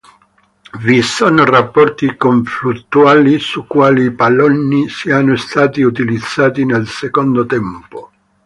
Vi sono rapporti conflittuali su quali palloni siano stati utilizzati nel secondo tempo.